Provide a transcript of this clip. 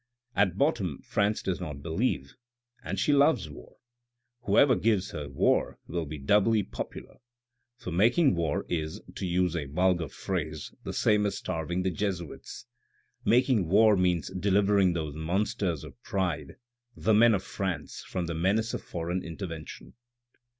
At bottom France does not believe, and she loves war. Whoever gives her war will be doubly popular, for making war is, to use a vulgar phrase, the same as starving the Jesuits; making war means delivering those monsters of pride — the men of France — from the menace of foreign intervention."